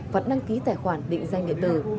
phật đăng ký tài khoản định danh lệ tử